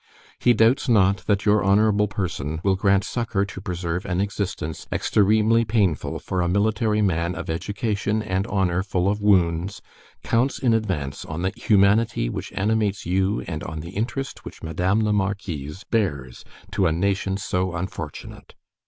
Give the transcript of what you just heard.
He doubts not that your honorable person will grant succor to preserve an existence exteremely painful for a military man of education and honor full of wounds, counts in advance on the humanity which animates you and on the interest which Madame la Marquise bears to a nation so unfortunate.